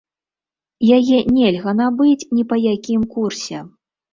Яе нельга набыць ні па якім курсе.